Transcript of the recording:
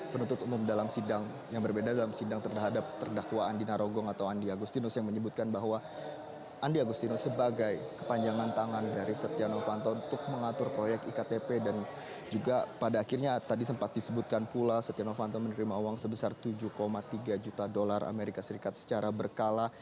penuntut umum dalam sidang yang berbeda dalam sidang terhadap terdakwa andi narogong atau andi agustinus yang menyebutkan bahwa andi agustinus sebagai kepanjangan tangan dari setia novanto untuk mengatur proyek iktp dan juga pada akhirnya tadi sempat disebutkan pula setia novanto menerima uang sebesar tujuh tiga juta dolar amerika serikat secara berkala